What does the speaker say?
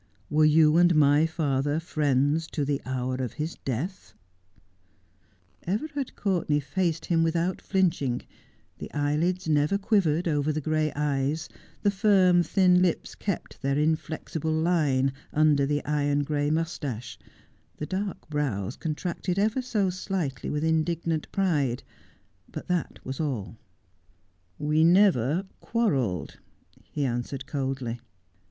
Were you and my father friends to the hour of his death 1 ' Everard Courtenay faced him without flinching, the eyelids never quivered over the gray eyes, the firm, thin lips kept their inflexible line under the iron gray moustache, the dark brows contracted ever so slightly with indignant pride, but that was all. ' We never quarrelled,' he answered coldly.